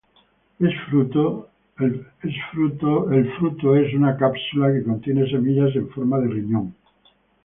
Es fruto es una cápsula que contiene semillas en forma de riñón.